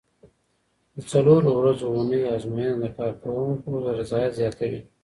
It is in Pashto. د څلورو ورځو اونۍ ازموینه د کارکوونکو رضایت زیاتوي.